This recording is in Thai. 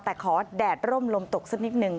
แต่ขอแดดร่มลมตกสักนิดนึง